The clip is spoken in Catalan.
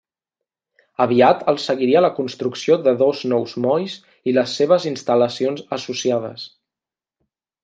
Aviat els seguiria la construcció de dos nous molls i les seves instal·lacions associades.